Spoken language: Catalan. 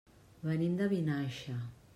Venim de Vinaixa.